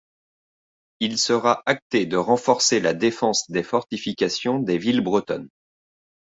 Il sera acté de renforcer la défenses des fortifications des villes bretonnes.